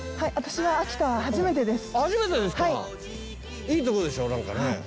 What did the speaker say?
いいとこでしょ何かね。